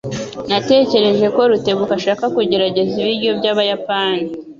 Natekereje ko Rutebuka ashaka kugerageza ibiryo byabayapani.